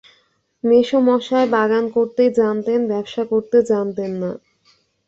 মেসোমশায় বাগান করতেই জানতেন, ব্যাবসা করতে জানতেন না।